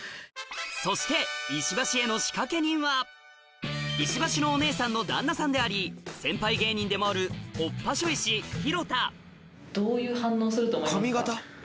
そして石橋のお姉さんの旦那さんであり先輩芸人でもあるどういう反応すると思いますか？